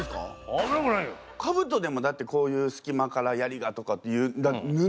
かぶとでもだってこういう隙間からやりがとかっていう布。